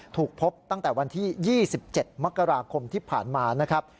ถูกพบตั้งแต่วันที่๒๗มกราคมที่ผ่านมานะครับ